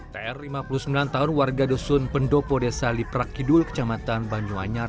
tr lima puluh sembilan tahun warga dosun pendopo desa liprakidul kecamatan banyuanyar